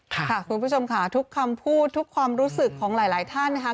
คุณผู้ชมค่ะทุกคำพูดทุกความรู้สึกของหลายท่านนะคะ